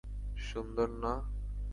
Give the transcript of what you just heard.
সুন্দর, না?